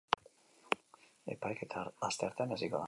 Epaiketa asteartean hasiko da.